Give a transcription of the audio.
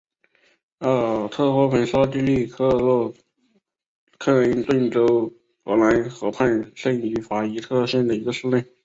阿尔特霍芬是奥地利克恩顿州格兰河畔圣法伊特县的一个市镇。